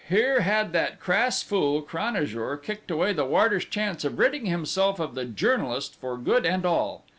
Here had that crass fool, Cranajour, kicked away the warder's chance of ridding himself of the journalist for good and all!